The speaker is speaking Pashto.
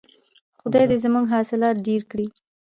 خدای دې زموږ حاصلات ډیر کړي.